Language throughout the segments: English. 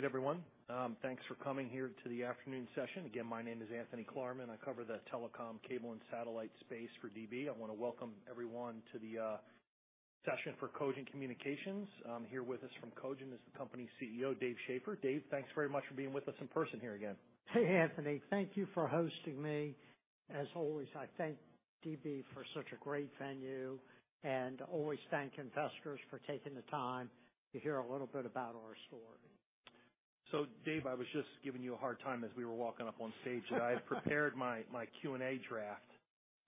Great, everyone. Thanks for coming here to the afternoon session. Again, my name is Anthony Klarman. I cover the telecom cable and satellite space for DB. I wanna welcome everyone to the session for Cogent Communications. Here with us from Cogent is the company CEO, Dave Schaeffer. Dave, thanks very much for being with us in person here again. Hey, Anthony. Thank you for hosting me. As always, I thank DB for such a great venue, and always thank investors for taking the time to hear a little bit about our story. Dave, I was just giving you a hard time as we were walking up on stage today. I had prepared my Q&A draft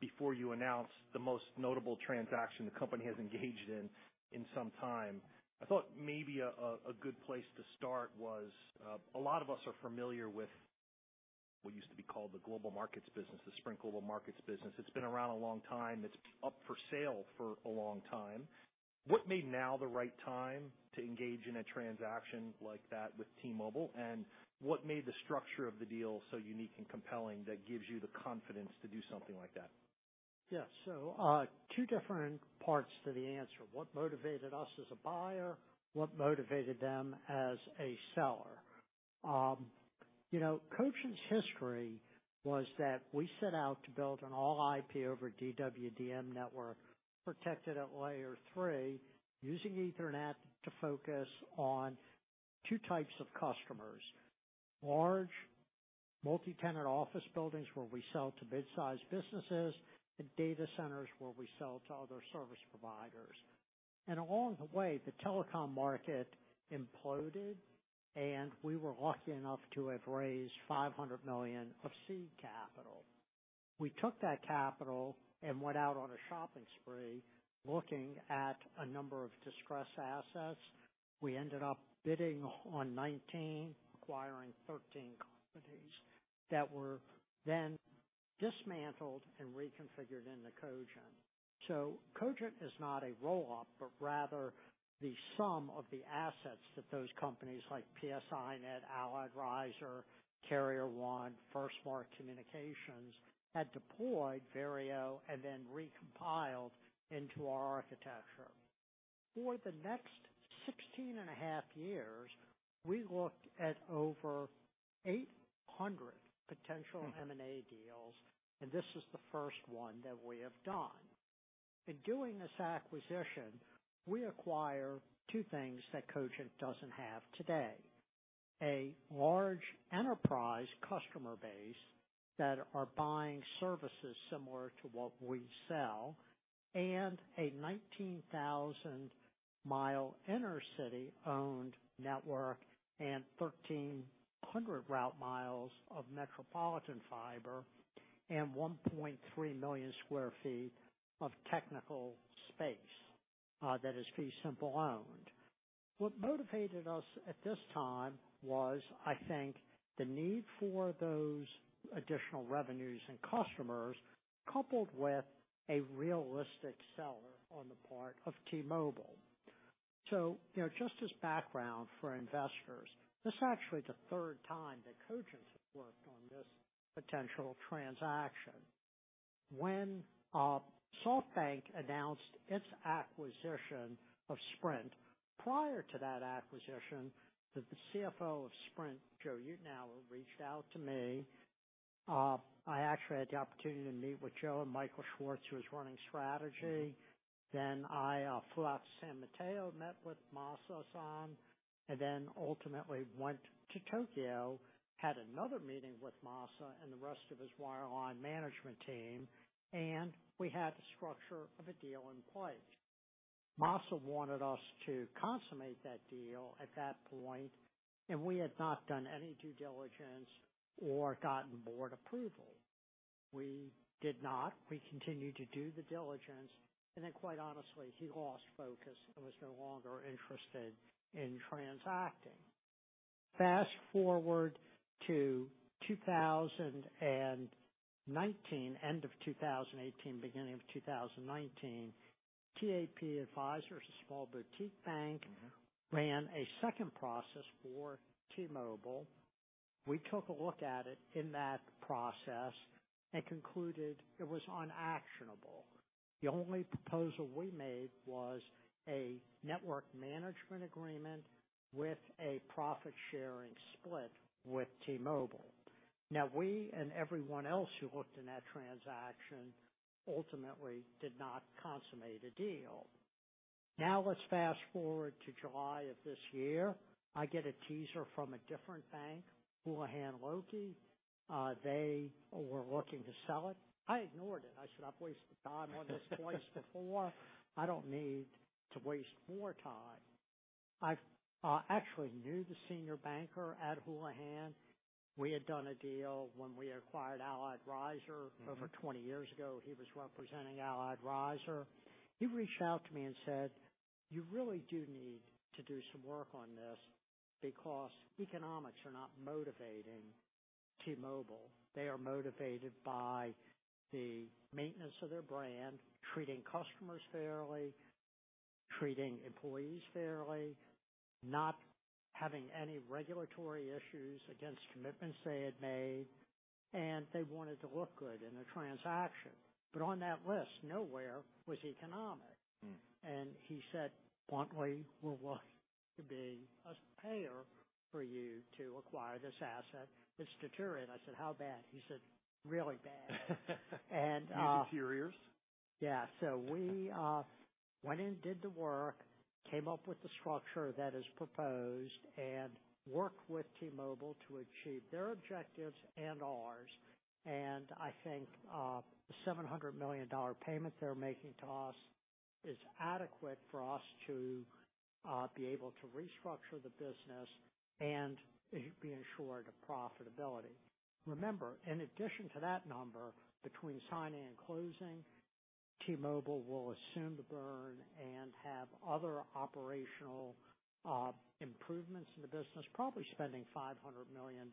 before you announced the most notable transaction the company has engaged in in some time. I thought maybe a good place to start was, a lot of us are familiar with what used to be called the Global Markets Group, the Sprint Global Markets Group. It's been around a long time. It's been up for sale for a long time. What made now the right time to engage in a transaction like that with T-Mobile? What made the structure of the deal so unique and compelling that gives you the confidence to do something like that? Yeah. Two different parts to the answer. What motivated us as a buyer, what motivated them as a seller. You know, Cogent's history was that we set out to build an all IP over DWDM network protected at layer three, using Ethernet to focus on two types of customers. Large multi-tenant office buildings, where we sell to mid-size businesses, and data centers, where we sell to other service providers. Along the way, the telecom market imploded, and we were lucky enough to have raised $500 million of seed capital. We took that capital and went out on a shopping spree, looking at a number of distressed assets. We ended up bidding on 19, acquiring 13 companies that were then dismantled and reconfigured into Cogent. Cogent is not a roll-up, but rather the sum of the assets that those companies like PSINet, Allied Riser, Carrier1, Firstmark Communications, had deployed, Verio, and then recompiled into our architecture. For the next 16 and a half years, we looked at over 800 potential M&A deals, and this is the first one that we have done. In doing this acquisition, we acquire two things that Cogent doesn't have today. A large enterprise customer base that are buying services similar to what we sell, and a 19,000-mile inner city owned network and 1,300 route miles of metropolitan fiber and 1.3 million sq ft of technical space, that is fee simple owned. What motivated us at this time was, I think, the need for those additional revenues and customers, coupled with a realistic seller on the part of T-Mobile. You know, just as background for investors, this is actually the third time that Cogent's worked on this potential transaction. When SoftBank announced its acquisition of Sprint, prior to that acquisition, the CFO of Sprint, Joe Euteneuer, reached out to me. I actually had the opportunity to meet with Joe and Michael Schwartz, who was running strategy. I flew out to San Mateo, met with Masa Son, and then ultimately went to Tokyo, had another meeting with Masa and the rest of his wireline management team, and we had the structure of a deal in place. Masa wanted us to consummate that deal at that point, and we had not done any due diligence or gotten board approval. We did not. We continued to do the diligence, and then quite honestly, he lost focus and was no longer interested in transacting. Fast-forward to 2019, end of 2018, beginning of 2019, TAP Advisors, a small boutique bank, ran a second process for T-Mobile. We took a look at it in that process and concluded it was unactionable. The only proposal we made was a network management agreement with a profit-sharing split with T-Mobile. Now, we and everyone else who looked in that transaction ultimately did not consummate a deal. Now let's fast-forward to July of this year. I get a teaser from a different bank, Houlihan Lokey. They were looking to sell it. I ignored it. I said, "I've wasted time on this twice before. I don't need to waste more time." I actually knew the senior banker at Houlihan. We had done a deal when we acquired Allied Riser over 20 years ago. He was representing Allied Riser. He reached out to me and said, "You really do need to do some work on this because economics are not motivating T-Mobile. They are motivated by the maintenance of their brand, treating customers fairly, treating employees fairly, not having any regulatory issues against commitments they had made." They wanted to look good in a transaction. On that list, nowhere was economics. Mm. He said bluntly, "We're willing to be a payer for you to acquire this asset. It's deteriorating." I said, "How bad?" He said, "Really bad. Need interiors. We went in and did the work, came up with the structure that is proposed, and worked with T-Mobile to achieve their objectives and ours. I think the $700 million payment they're making to us is adequate for us to be able to restructure the business and be assured of profitability. Remember, in addition to that number, between signing and closing, T-Mobile will assume the burn and have other operational improvements in the business, probably spending $500 million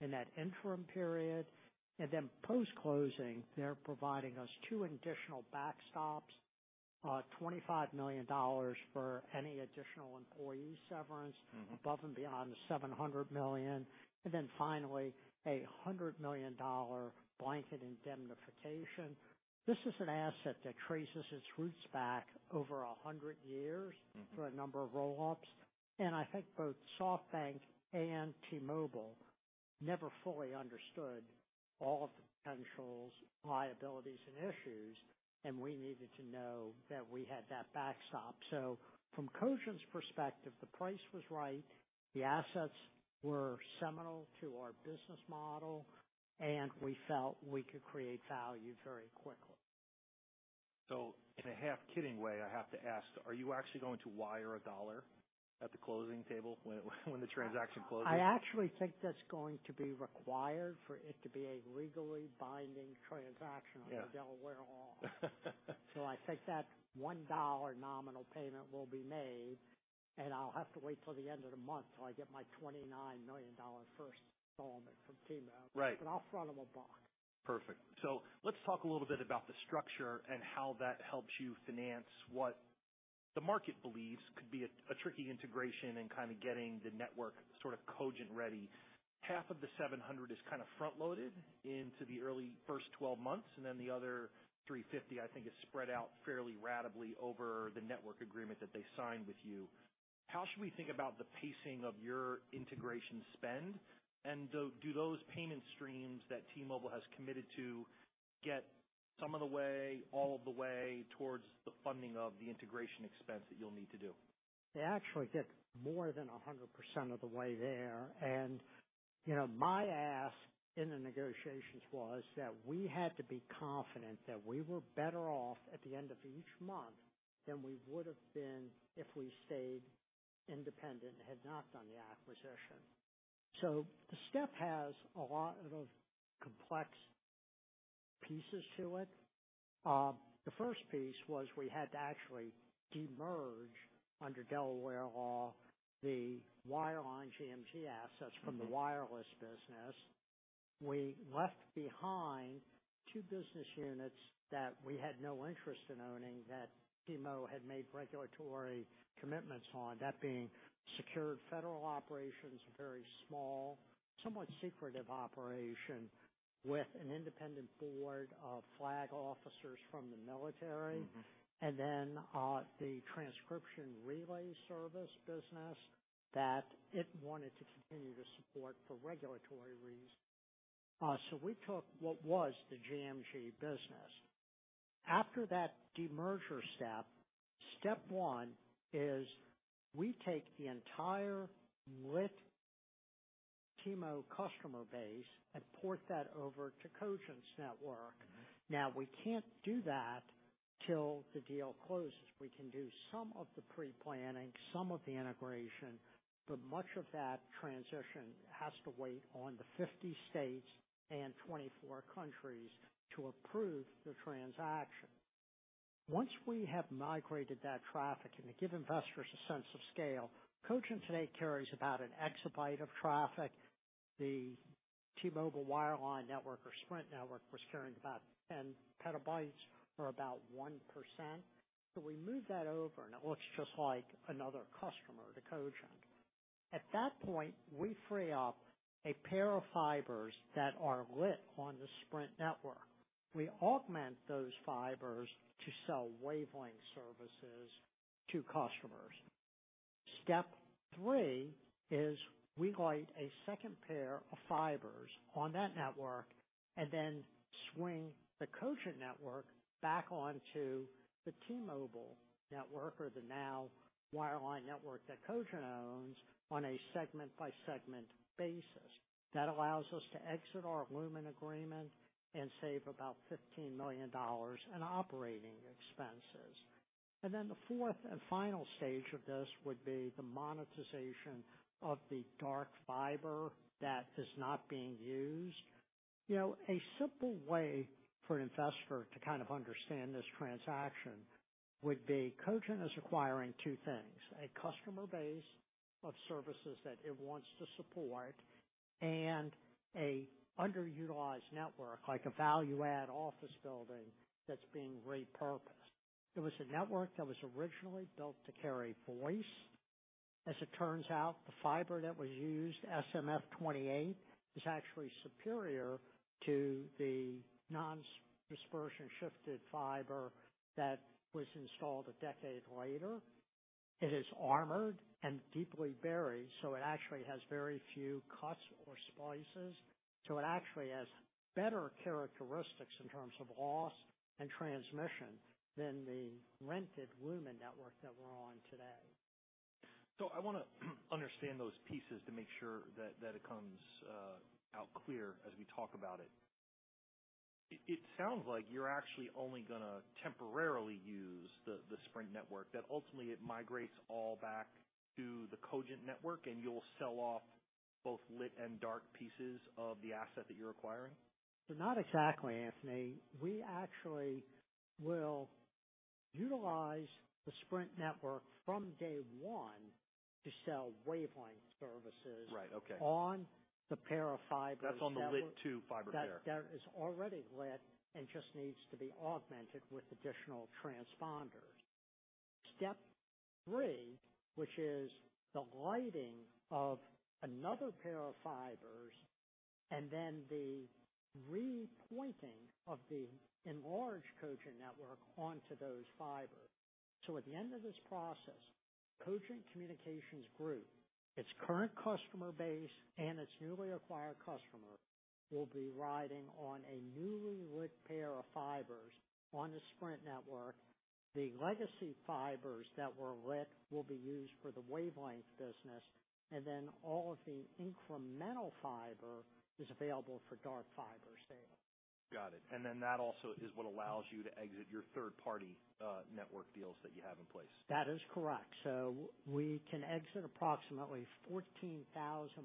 in that interim period. Then post-closing, they're providing us two additional backstops, $25 million for any additional employee severance. Mm-hmm. Above and beyond the $700 million. Then finally, a $100 million blanket indemnification. This is an asset that traces its roots back over 100 years. Mm-hmm. Through a number of roll-ups. I think both SoftBank and T-Mobile never fully understood all of the potentials, liabilities, and issues, and we needed to know that we had that backstop. From Cogent's perspective, the price was right, the assets were seminal to our business model, and we felt we could create value very quickly. In a half kidding way, I have to ask, are you actually going to wire a dollar at the closing table when the transaction closes? I actually think that's going to be required for it to be a legally binding transaction. Yeah. Under Delaware law. I think that $1 nominal payment will be made, and I'll have to wait till the end of the month till I get my $29 million first installment from T-Mobile. Right. I'll front them a buck. Perfect. Let's talk a little bit about the structure and how that helps you finance what the market believes could be a tricky integration and kind of getting the network sort of Cogent ready. Half of the $700 is kinda front-loaded into the early first 12 months, and then the other $350, I think, is spread out fairly ratably over the network agreement that they signed with you. How should we think about the pacing of your integration spend? Do those payment streams that T-Mobile has committed to get some of the way, all of the way towards the funding of the integration expense that you'll need to do? They actually get more than 100% of the way there. You know, my ask in the negotiations was that we had to be confident that we were better off at the end of each month than we would've been if we stayed independent and had not done the acquisition. The step has a lot of complex pieces to it. The first piece was we had to actually demerge under Delaware law, the wireline GMG assets from the wireless business. We left behind two business units that we had no interest in owning, that T-Mobile had made regulatory commitments on. That being secured federal operations, a very small, somewhat secretive operation with an independent board of flag officers from the military. Mm-hmm. The transcription relay service business that it wanted to continue to support for regulatory reasons. We took what was the GMG business. After that demerger step one is we take the entire lit T-Mo customer base and port that over to Cogent's network. Mm-hmm. Now, we can't do that till the deal closes. We can do some of the pre-planning, some of the integration, but much of that transition has to wait on the 50 states and 24 countries to approve the transaction. Once we have migrated that traffic, and to give investors a sense of scale, Cogent today carries about an exabyte of traffic. The T-Mobile wireline network or Sprint network was carrying about 10 PB or about 1%. We move that over, and it looks just like another customer to Cogent. At that point, we free up a pair of fibers that are lit on the Sprint network. We augment those fibers to sell wavelength services to customers. Step three is we light a second pair of fibers on that network and then swing the Cogent network back onto the T-Mobile network or the now wireline network that Cogent owns on a segment-by-segment basis. That allows us to exit our Lumen agreement and save about $15 million in operating expenses. The fourth and final stage of this would be the monetization of the dark fiber that is not being used. You know, a simple way for an investor to kind of understand this transaction would be Cogent is acquiring two things, a customer base of services that it wants to support and an underutilized network, like a value add office building that's being repurposed. It was a network that was originally built to carry voice. As it turns out, the fiber that was used, SMF-28, is actually superior to the non-dispersion-shifted fiber that was installed a decade later. It is armored and deeply buried, so it actually has very few cuts or splices. It actually has better characteristics in terms of loss and transmission than the rented Lumen network that we're on today. I wanna understand those pieces to make sure that it comes out clear as we talk about it. It sounds like you're actually only gonna temporarily use the Sprint network, that ultimately it migrates all back to the Cogent network, and you'll sell off both lit and dark pieces of the asset that you're acquiring. Not exactly, Anthony. We actually will utilize the Sprint network from day one to sell wavelength services. Right. Okay. On the pair of fibers that were That's on the lit 2 fiber pair. That is already lit and just needs to be augmented with additional transponders. Step three, which is the lighting of another pair of fibers, and then the repointing of the enlarged Cogent network onto those fibers. At the end of this process, Cogent Communications Group, its current customer base, and its newly acquired customer will be riding on a newly lit pair of fibers on the Sprint network. The legacy fibers that were lit will be used for the wavelength business, and then all of the incremental fiber is available for dark fiber sale. Got it. That also is what allows you to exit your third-party network deals that you have in place. That is correct. We can exit approximately 14,000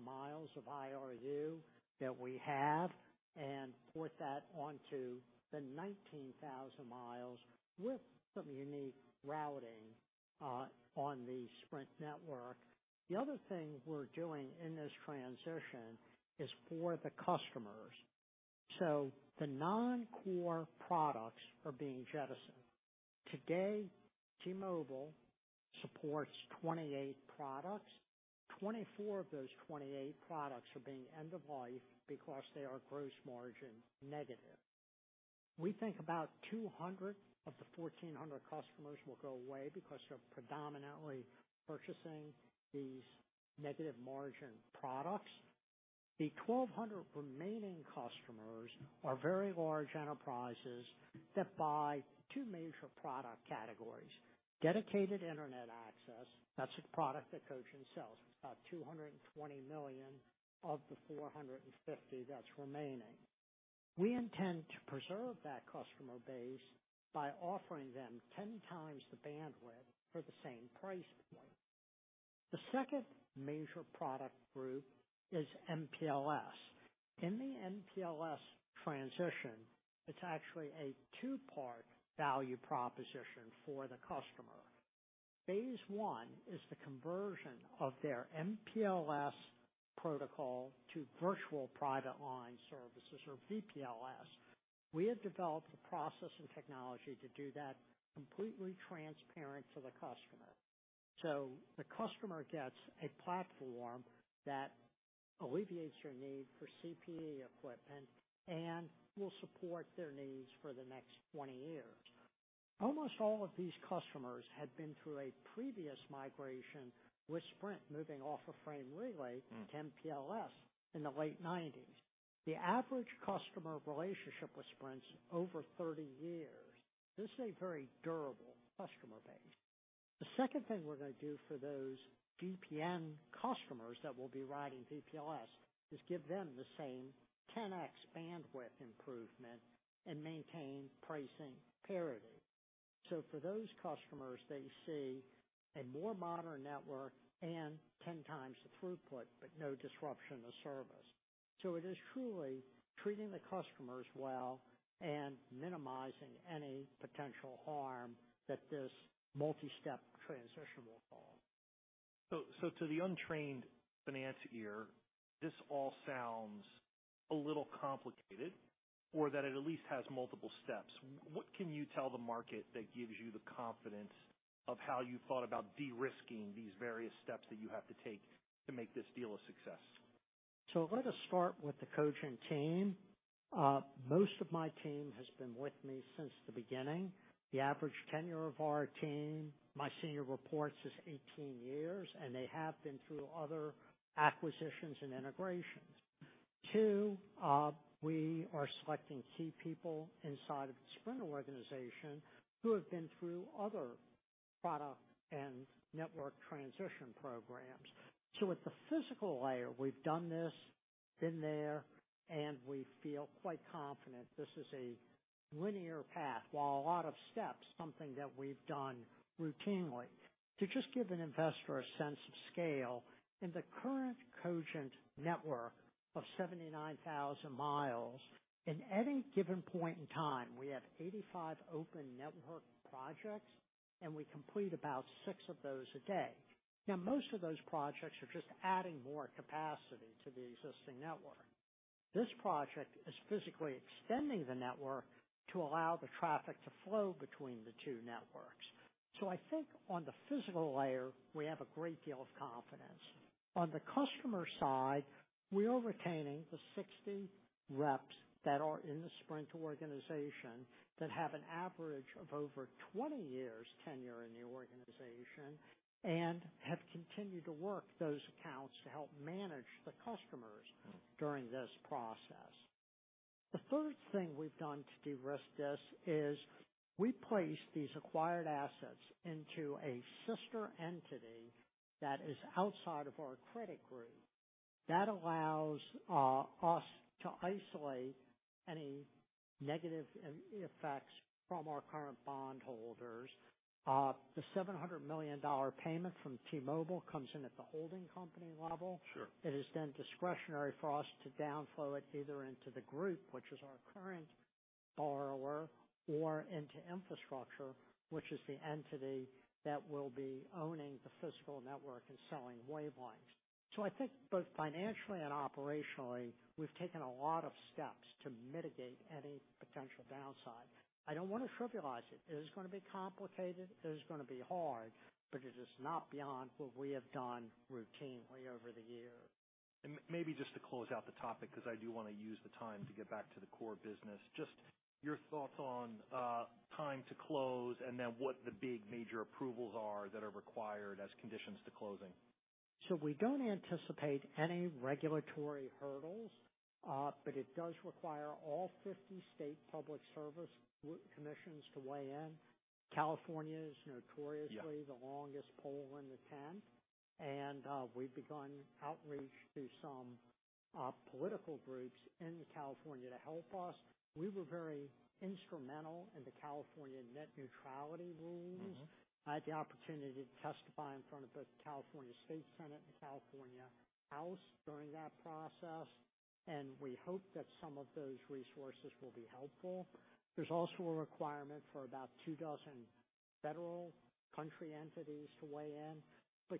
miles of IRU that we have and port that onto the 19,000 miles with some unique routing on the Sprint network. The other thing we're doing in this transition is for the customers. The non-core products are being jettisoned. Today, T-Mobile supports 28 products. 24 of those 28 products are being end of life because they are gross margin negative. We think about 200 of the 1,400 customers will go away because they're predominantly purchasing these negative margin products. The 1,200 remaining customers are very large enterprises that buy two major product categories, dedicated internet access, that's a product that Cogent sells, about $220 million of the $450 that's remaining. We intend to preserve that customer base by offering them 10 times the bandwidth for the same price point. The second major product group is MPLS. In the MPLS transition, it's actually a two-part value proposition for the customer. Phase one is the conversion of their MPLS protocol to Virtual Private LAN Service or VPLS. We have developed a process and technology to do that completely transparent to the customer. The customer gets a platform that alleviates your need for CPE equipment and will support their needs for the next 20 years. Almost all of these customers had been through a previous migration with Sprint moving off a Frame Relay. Mm-hmm. To MPLS in the late nineties. The average customer relationship with Sprint's over 30 years. This is a very durable customer base. The second thing we're gonna do for those VPN customers that will be riding VPLS is give them the same 10x bandwidth improvement and maintain pricing parity. For those customers, they see a more modern network and 10x the throughput, but no disruption to service. It is truly treating the customers well and minimizing any potential harm that this multi-step transition will cause. To the untrained finance ear, this all sounds a little complicated, or that it at least has multiple steps. What can you tell the market that gives you the confidence of how you thought about de-risking these various steps that you have to take to make this deal a success? Let us start with the Cogent team. Most of my team has been with me since the beginning. The average tenure of our team, my senior reports, is 18 years, and they have been through other acquisitions and integrations. Two, we are selecting key people inside of the Sprint organization who have been through other product and network transition programs. At the physical layer, we've done this, been there, and we feel quite confident this is a linear path. While a lot of steps, something that we've done routinely. To just give an investor a sense of scale, in the current Cogent network of 79,000 miles, in any given point in time, we have 85 open network projects, and we complete about six of those a day. Now, most of those projects are just adding more capacity to the existing network. This project is physically extending the network to allow the traffic to flow between the two networks. I think on the physical layer, we have a great deal of confidence. On the customer side, we're retaining the 60 reps that are in the Sprint organization that have an average of over 20 years tenure in the organization and have continued to work those accounts to help manage the customers during this process. The third thing we've done to de-risk this is we placed these acquired assets into a sister entity that is outside of our credit group. That allows us to isolate any negative effects from our current bondholders. The $700 million payment from T-Mobile comes in at the holding company level. Sure. It is then discretionary for us to down flow it either into the group, which is our current borrower, or into infrastructure, which is the entity that will be owning the physical network and selling wavelengths. I think both financially and operationally, we've taken a lot of steps to mitigate any potential downside. I don't wanna trivialize it. It is gonna be complicated, it is gonna be hard, but it is not beyond what we have done routinely over the years. Maybe just to close out the topic, 'cause I do wanna use the time to get back to the core business. Just your thoughts on time to close, and then what the big major approvals are that are required as conditions to closing. We don't anticipate any regulatory hurdles, but it does require all 50 state public service commissions to weigh in. California is notoriously- Yeah. The longest pole in the tent, and we've begun outreach to some political groups in California to help us. We were very instrumental in the California Net Neutrality rules. Mm-hmm. I had the opportunity to testify in front of both California State Senate and California State Assembly during that process, and we hope that some of those resources will be helpful. There's also a requirement for about two dozen federal agencies to weigh in.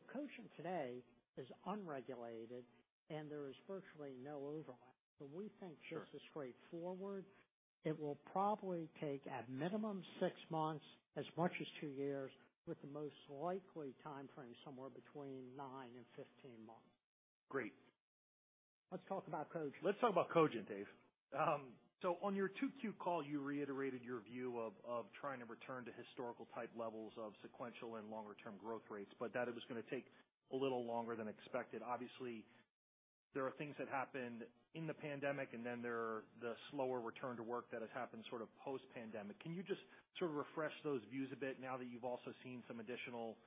Cogent today is unregulated, and there is virtually no overlap. We think. Sure. This is straightforward. It will probably take at minimum six months, as much as two years, with the most likely timeframe somewhere between nine and 15 months. Great. Let's talk about Cogent. Let's talk about Cogent, Dave. So on your 2Q call, you reiterated your view of trying to return to historical type levels of sequential and longer term growth rates, but that it was gonna take a little longer than expected. Obviously, there are things that happened in the pandemic, and then there are the slower return to work that has happened sort of post-pandemic. Can you just sort of refresh those views a bit now that you've also seen some additional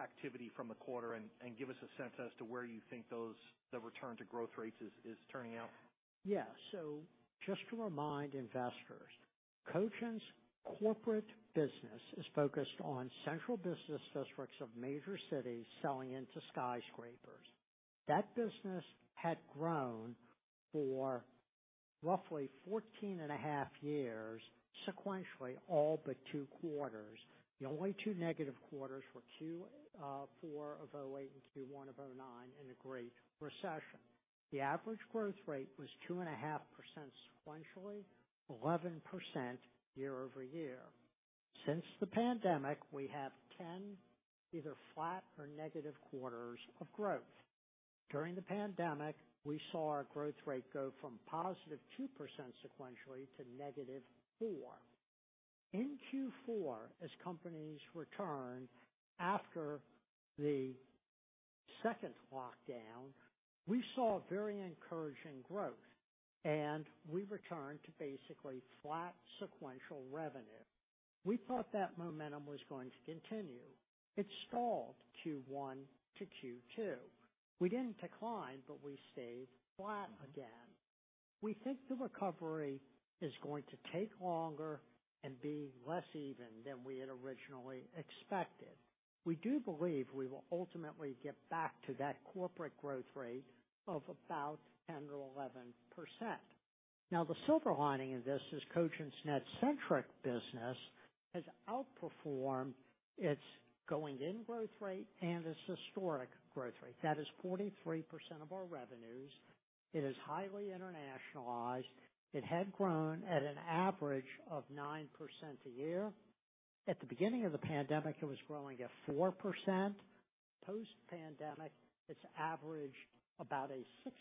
activity from the quarter, and give us a sense as to where you think those, the return to growth rates is turning out? Just to remind investors, Cogent's corporate business is focused on central business districts of major cities selling into skyscrapers. That business had grown for roughly 14 and a half years, sequentially all but two quarters. The only two negative quarters were Q4 of 2008 and Q1 of 2009 in the Great Recession. The average growth rate was 2.5% sequentially, 11% year-over-year. Since the pandemic, we have 10 either flat or negative quarters of growth. During the pandemic, we saw our growth rate go from +2% sequentially to -4%. In Q4, as companies returned after the second lockdown, we saw very encouraging growth, and we returned to basically flat sequential revenue. We thought that momentum was going to continue. It stalled Q1 to Q2. We didn't decline, but we stayed flat again. We think the recovery is going to take longer and be less even than we had originally expected. We do believe we will ultimately get back to that corporate growth rate of about 10% or 11%. Now, the silver lining in this is Cogent's net-centric business has outperformed its going in growth rate and its historic growth rate. That is 43% of our revenues. It is highly internationalized. It had grown at an average of 9% a year. At the beginning of the pandemic, it was growing at 4%. Post pandemic, it's averaged about a 16%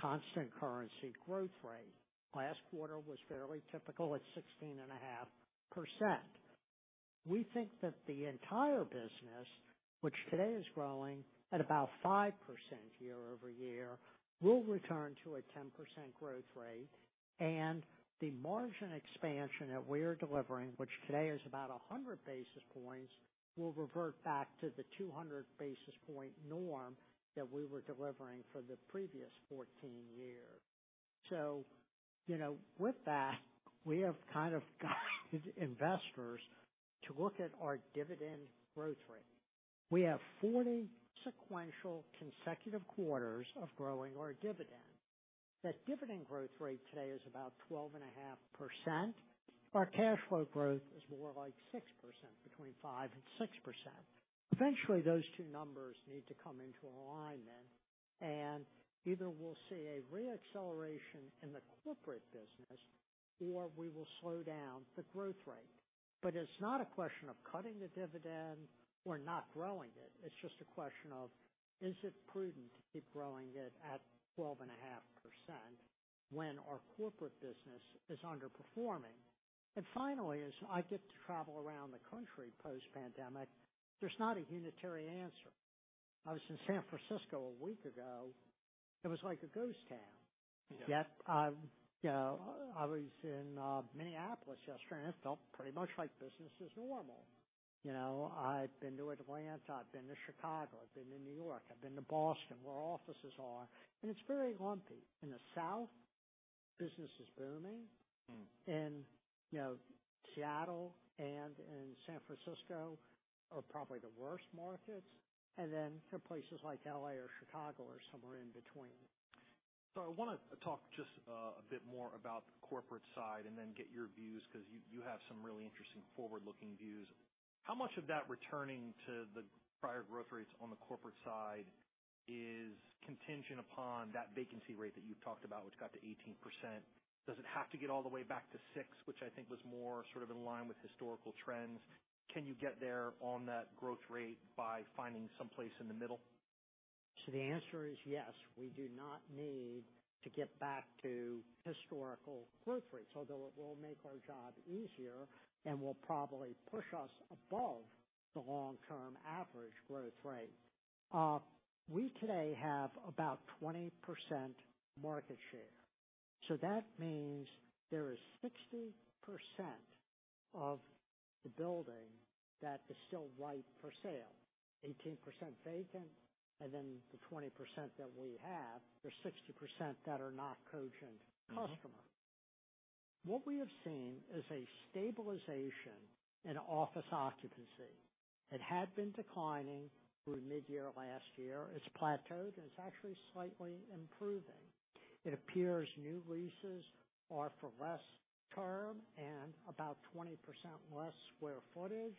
constant currency growth rate. Last quarter was fairly typical at 16.5%. We think that the entire business, which today is growing at about 5% year-over-year, will return to a 10% growth rate. The margin expansion that we are delivering, which today is about 100 basis points, will revert back to the 200 basis point norm that we were delivering for the previous 14 years. You know, with that, we have kind of guided investors to look at our dividend growth rate. We have 40 sequential consecutive quarters of growing our dividend. That dividend growth rate today is about 12.5%. Our cash flow growth is more like 6%, between 5% and 6%. Eventually, those two numbers need to come into alignment, and either we'll see a re-acceleration in the corporate business or we will slow down the growth rate. It's not a question of cutting the dividend or not growing it. It's just a question of is it prudent to keep growing it at 12.5% when our corporate business is underperforming. Finally, as I get to travel around the country post-pandemic, there's not a unitary answer. I was in San Francisco a week ago. It was like a ghost town. Yeah. Yet, you know, I was in Minneapolis yesterday, and it felt pretty much like business as normal. You know, I've been to Atlanta, I've been to Chicago, I've been to New York, I've been to Boston, where our offices are, and it's very lumpy. In the South, business is booming. Mm. In, you know, Seattle and in San Francisco are probably the worst markets. For places like L.A. or Chicago are somewhere in between. I wanna talk just a bit more about the corporate side and then get your views 'cause you have some really interesting forward-looking views. How much of that returning to the prior growth rates on the corporate side is contingent upon that vacancy rate that you've talked about, which got to 18%? Does it have to get all the way back to six, which I think was more sort of in line with historical trends? Can you get there on that growth rate by finding someplace in the middle? The answer is yes. We do not need to get back to historical growth rates, although it will make our job easier and will probably push us above the long-term average growth rate. We today have about 20% market share. That means there is 60% of the building that is still ripe for sale, 18% vacant, and then the 20% that we have, there's 60% that are not Cogent customers. Mm-hmm. What we have seen is a stabilization in office occupancy. It had been declining through mid-year last year. It's plateaued, and it's actually slightly improving. It appears new leases are for less term and about 20% less square footage.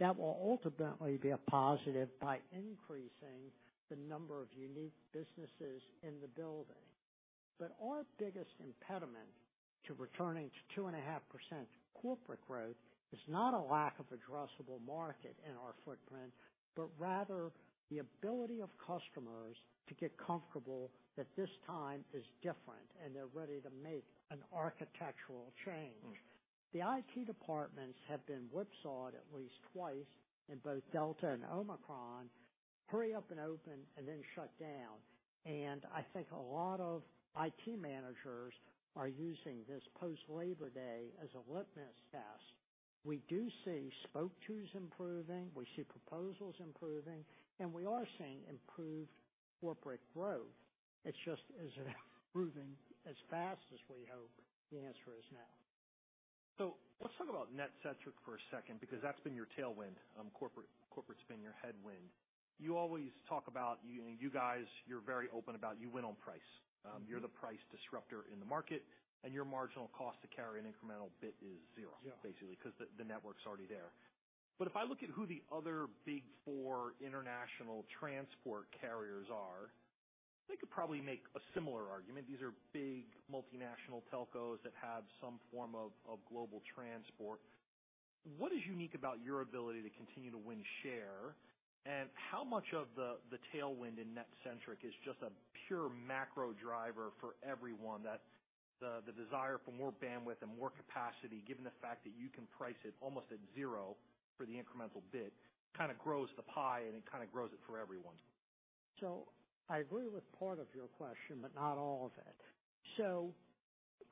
That will ultimately be a positive by increasing the number of unique businesses in the building. Our biggest impediment to returning to 2.5% corporate growth is not a lack of addressable market in our footprint, but rather the ability of customers to get comfortable that this time is different and they're ready to make an architectural change. Mm. The IT departments have been whipsawed at least twice in both Delta and Omicron, hurry up and open and then shut down. I think a lot of IT managers are using this post-Labor Day as a litmus test. We do see spoke to's improving, we see proposals improving, and we are seeing improved corporate growth. It's just isn't improving as fast as we hope the answer is now. Let's talk about NetCentric for a second because that's been your tailwind. Corporate's been your headwind. You always talk about you guys. You're very open about you win on price. You're the price disruptor in the market, and your marginal cost to carry an incremental bit is zero. Yeah. Basically, 'cause the network's already there. If I look at who the other big four international transport carriers are, they could probably make a similar argument. These are big multinational telcos that have some form of global transport. What is unique about your ability to continue to win share? How much of the tailwind in NetCentric is just a pure macro driver for everyone, that the desire for more bandwidth and more capacity, given the fact that you can price it almost at zero for the incremental bid, kinda grows the pie, and it kinda grows it for everyone. I agree with part of your question, but not all of it.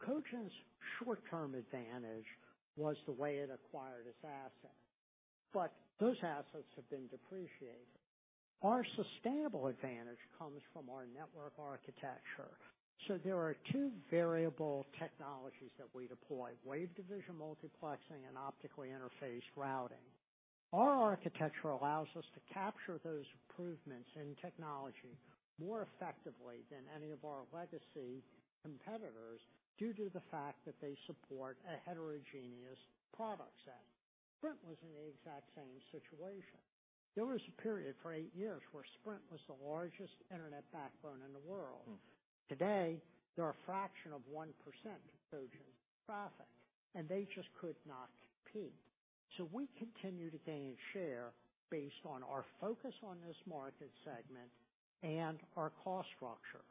Cogent's short-term advantage was the way it acquired its assets, but those assets have been depreciated. Our sustainable advantage comes from our network architecture. There are two variable technologies that we deploy, wavelength-division multiplexing and optically interfaced routing. Our architecture allows us to capture those improvements in technology more effectively than any of our legacy competitors due to the fact that they support a heterogeneous product set. Sprint was in the exact same situation. There was a period for eight years where Sprint was the largest internet backbone in the world. Mm. Today, they're a fraction of 1% of Cogent's traffic, and they just could not compete. We continue to gain share based on our focus on this market segment and our cost structure.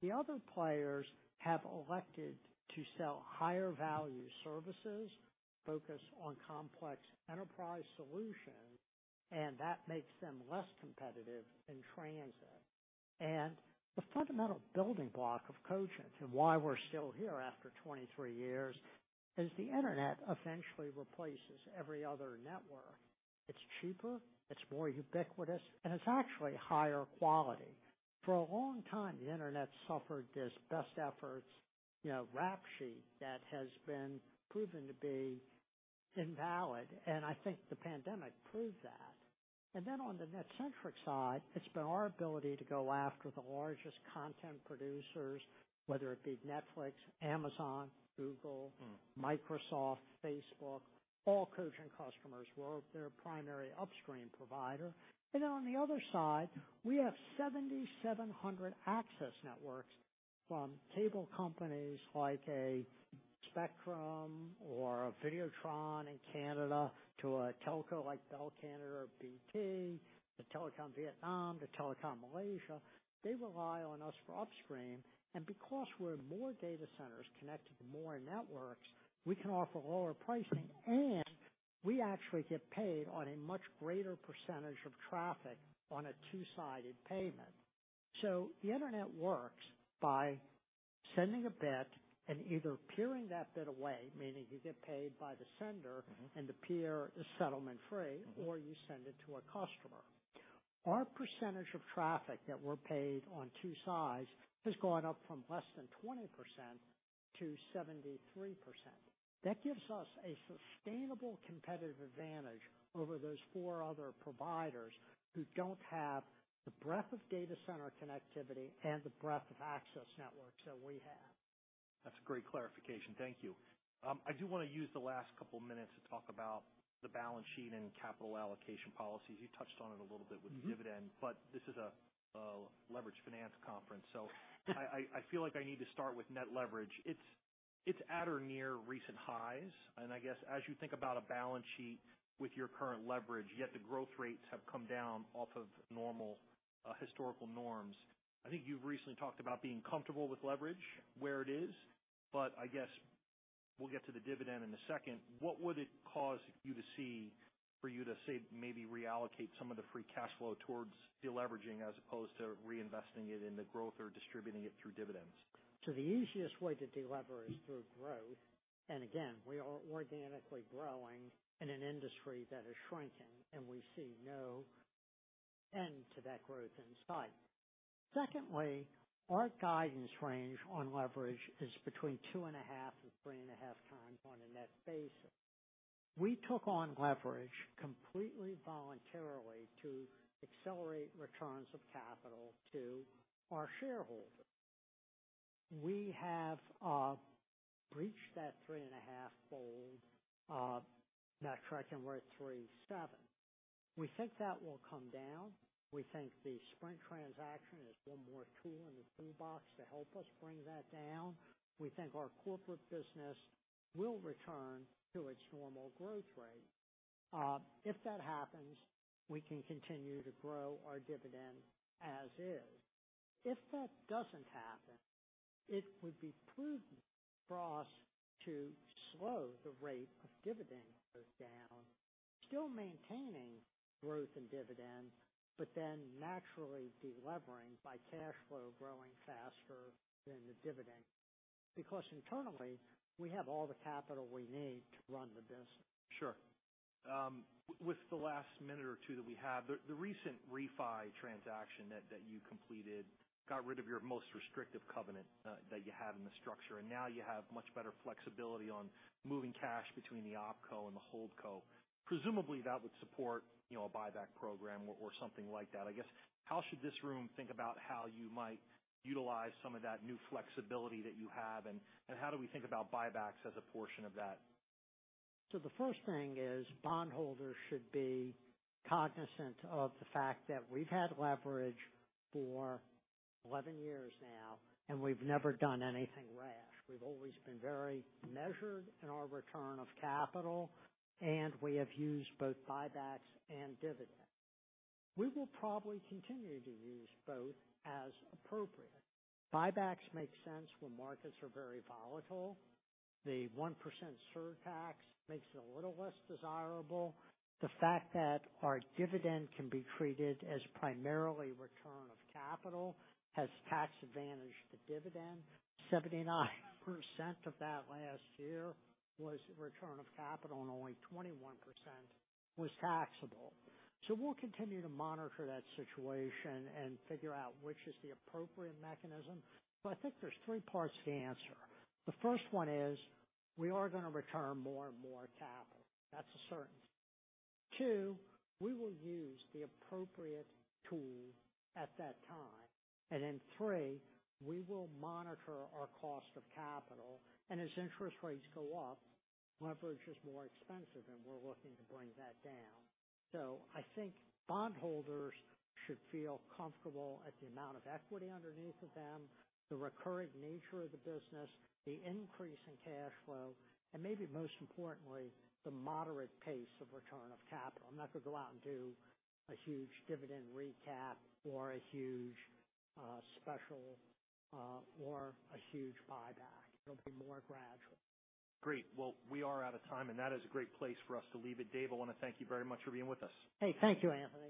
The other players have elected to sell higher value services, focus on complex enterprise solutions, and that makes them less competitive in transit. The fundamental building block of Cogent, and why we're still here after 23 years, is the Internet eventually replaces every other network. It's cheaper, it's more ubiquitous, and it's actually higher quality. For a long time, the Internet suffered this best efforts, you know, rap sheet that has been proven to be invalid. I think the pandemic proved that. Then on the NetCentric side, it's been our ability to go after the largest content producers, whether it be Netflix, Amazon, Google. Mm-hmm. Microsoft, Facebook, all Cogent customers were their primary upstream provider. On the other side, we have 7,700 access networks from cable companies like a Spectrum or a Vidéotron in Canada to a telco like Bell Canada or BT, to Telecom Vietnam, to Telekom Malaysia. They rely on us for upstream. Because we're more data centers connected to more networks, we can offer lower pricing, and we actually get paid on a much greater percentage of traffic on a two-sided payment. The Internet works by sending a bit and either peering that bit away, meaning you get paid by the sender. Mm-hmm. The peer is settlement free, or you send it to a customer. Our percentage of traffic that we're paid on two sides has gone up from less than 20% to 73%. That gives us a sustainable competitive advantage over those four other providers who don't have the breadth of data center connectivity and the breadth of access networks that we have. That's a great clarification. Thank you. I do wanna use the last couple minutes to talk about the balance sheet and capital allocation policies. You touched on it a little bit with- Mm-hmm. The dividend, but this is a leveraged finance conference, so I feel like I need to start with net leverage. It's at or near recent highs, and I guess as you think about a balance sheet with your current leverage, yet the growth rates have come down off of normal historical norms. I think you've recently talked about being comfortable with leverage where it is, but I guess we'll get to the dividend in a second. What would it take for you to say, maybe reallocate some of the free cash flow towards deleveraging as opposed to reinvesting it in the growth or distributing it through dividends? The easiest way to delever is through growth. Again, we are organically growing in an industry that is shrinking, and we see no end to that growth in sight. Secondly, our guidance range on leverage is between 2.5x-3.5x on a net basis. We took on leverage completely voluntarily to accelerate returns of capital to our shareholders. We have breached that 3.5-fold metric, and we're at 3.7. We think that will come down. We think the Sprint transaction is one more tool in the toolbox to help us bring that down. We think our corporate business will return to its normal growth rate. If that happens, we can continue to grow our dividend as is. If that doesn't happen, it would be prudent for us to slow the rate of dividend goes down, still maintaining growth and dividend, but then naturally delevering by cash flow growing faster than the dividend, because internally we have all the capital we need to run the business. Sure. With the last minute or two that we have, the recent refi transaction that you completed got rid of your most restrictive covenant that you had in the structure, and now you have much better flexibility on moving cash between the opco and the holdco. Presumably, that would support, you know, a buyback program or something like that. I guess, how should this room think about how you might utilize some of that new flexibility that you have, and how do we think about buybacks as a portion of that? The first thing is bondholders should be cognizant of the fact that we've had leverage for 11 years now, and we've never done anything rash. We've always been very measured in our return of capital, and we have used both buybacks and dividends. We will probably continue to use both as appropriate. Buybacks make sense when markets are very volatile. The 1% surtax makes it a little less desirable. The fact that our dividend can be treated as primarily return of capital has tax advantage to dividend. 79% of that last year was return of capital, and only 21% was taxable. We'll continue to monitor that situation and figure out which is the appropriate mechanism. I think there's three parts to the answer. The first one is we are gonna return more and more capital. That's a certainty. Two, we will use the appropriate tool at that time. Three, we will monitor our cost of capital. As interest rates go up, leverage is more expensive, and we're looking to bring that down. I think bondholders should feel comfortable at the amount of equity underneath of them, the recurring nature of the business, the increase in cash flow, and maybe most importantly, the moderate pace of return of capital. I'm not gonna go out and do a huge dividend recap or a huge special or a huge buyback. It'll be more gradual. Great. Well, we are out of time, and that is a great place for us to leave it. Dave, I wanna thank you very much for being with us. Hey, thank you, Anthony.